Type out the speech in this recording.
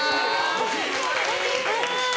欲しい！